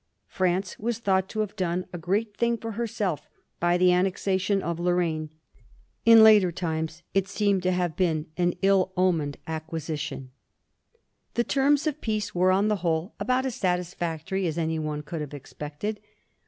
France was thought to have done a great thing for herself by the annexation of Lorraine ; in later times it seemed to have been an ill omened acquisition. 1785. SUCCESS OF WALPOLE»S POLICY. 31 The terms of peace were, on the whole, about as satisfac tory as any one could have expected.